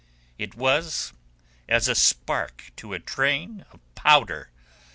It was as a spark to a train of powder.